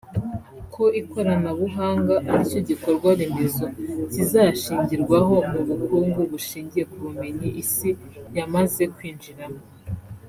ko ikoranabuhanga aricyo gikorwa remezo kizashingirwaho mu bukungu bushingiye ku bumenyi Isi yamaze kwinjiramo